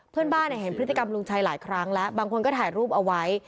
เพื่อนบ้านเห็นพฤติกรรมลุงชัยหลายครั้งแล้วบางคนก็ถ่ายรูปเอาไว้